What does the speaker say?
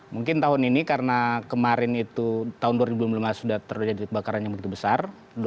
mungkin tahun ini karena kemarin itu tahun dua ribu lima belas sudah terjadi kebakaran yang begitu besar